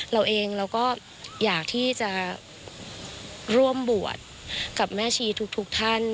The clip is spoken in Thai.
เราเองเราก็อยากที่จะร่วมบวชกับแม่ชีทุกท่าน